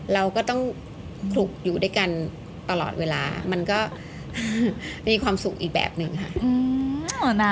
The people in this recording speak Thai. เราก็ต้องคลุกอยู่ด้วยกันตลอดเวลามันก็มีความสุขอีกแบบหนึ่งค่ะ